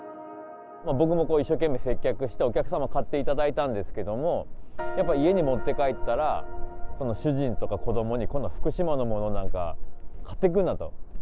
僕も一生懸命、接客して、お客様に買っていただいたんですけれども、やっぱ、家に持って帰ったら、主人とか子どもに、こんな福島のものなんか買ってくるなと。